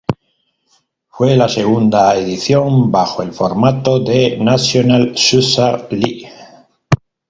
Fue la segunda edición bajo el formato de "National Soccer League".